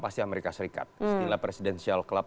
pasti amerika serikat setidaknya presidencial club